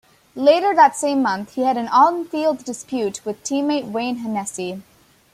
Later that same month, he had an on-field dispute with teammate Wayne Hennessey.